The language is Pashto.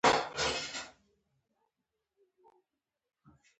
دا دواړه د انسان دوه وزرونه دي.